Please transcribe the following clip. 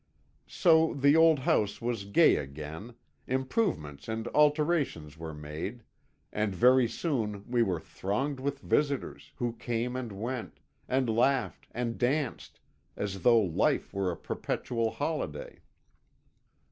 "So the old house was gay again; improvements and alterations were made, and very soon we were thronged with visitors, who came and went, and laughed and danced, as though life were a perpetual holiday.